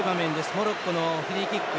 モロッコのフリーキック。